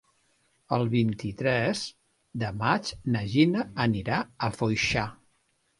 El vint-i-tres de maig na Gina anirà a Foixà.